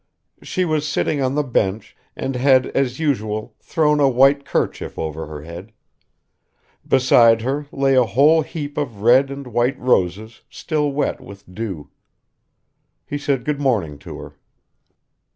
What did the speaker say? She was sitting on the bench and had as usual thrown a white kerchief over her head; beside her lay a whole heap of red and white roses still wet with dew. He said good morning to her.